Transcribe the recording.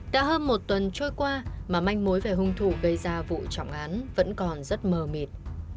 đã hơn một tuần trôi qua mà manh mối về hung thủ gây ra vụ trọng án vẫn còn rất mờ mịt